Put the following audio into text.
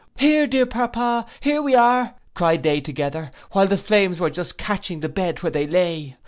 '—'Here, dear papa, here we are,' cried they together, while the flames were just catching the bed where they lay.